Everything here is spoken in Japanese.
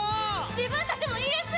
自分たちもいるっす！